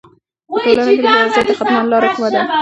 په ټولنه کې د بې وزلۍ د ختمولو لاره کومه ده؟